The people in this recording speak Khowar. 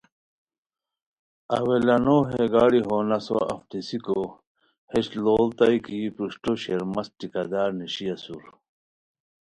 اوّلانو ہے گاڑی ہو نسو اف نیسیکو ہیس لوڑیتائے کی ہے پروشٹو شیرمست ٹھیکہ دار نیشی اسور